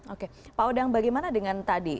oke pak odang bagaimana dengan tadi